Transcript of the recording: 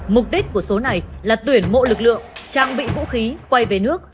mục đích của số này là tuyển mộ lực lượng trang bị vũ khí quay về nước